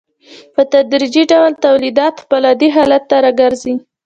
په تدریجي ډول تولیدات خپل عادي حالت ته راګرځي